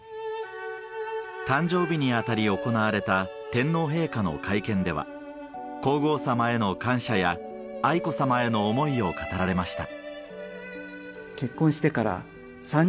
誕生日にあたり行われた天皇陛下の会見では皇后さまへの感謝や愛子さまへの思いを語られました